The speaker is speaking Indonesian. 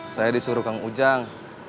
saya disuruh kang ujang